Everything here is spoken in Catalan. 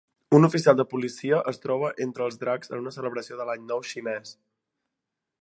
Un oficial de policia es troba entre els dracs en una celebració de l'Any Nou Xinès.